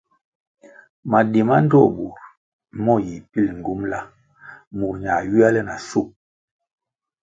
Madi ma ndtoh bur mo yi pil yi ngyumbʼla murʼ ñā ywia le na shub.